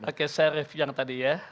oke saya ref yang tadi ya